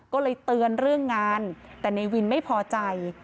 ก็เลยเตือนเรื่องงานแต่ในวินไม่พอใจ